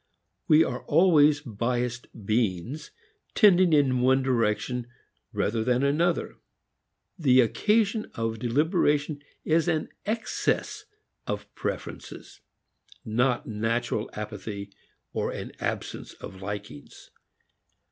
We are always biased beings, tending in one direction rather than another. The occasion of deliberation is an excess of preferences, not natural apathy or an absence of likings.